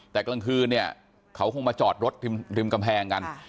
แต่กลางคืนเนี่ยเขาคงมาจอดรถริมกำแพงกัน